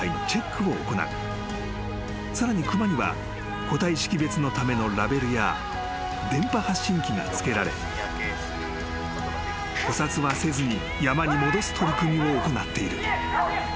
［さらに熊には個体識別のためのラベルや電波発信機が付けられ捕殺はせずに山に戻す取り組みを行っている］